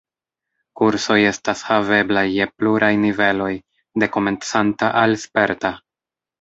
Kursoj estas haveblaj je pluraj niveloj, de komencanta al sperta.